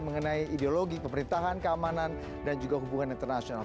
mengenai ideologi pemerintahan keamanan dan juga hubungan internasional